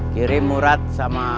kirim murad sama